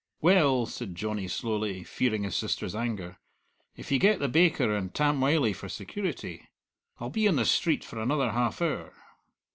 "Well," said Johnny slowly, fearing his sister's anger, "if ye get the baker and Tam Wylie for security. I'll be on the street for another half hour."